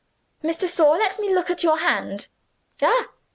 "Miss de Sor, let me look at your hand. Ah!